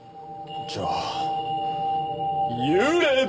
じゃあ幽霊だ！